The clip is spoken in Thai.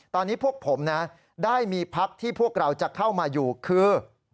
ตอนนี้พวกผมนะได้มีพักที่พวกเราจะเข้ามาอยู่คือ